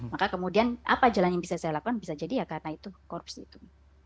maka kemudian apa jalan yang bisa saya lakukan bisa jadi ya karena itu korupsi itu